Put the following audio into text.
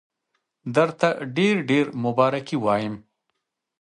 درته ډېر ډېر مبارکي وایم.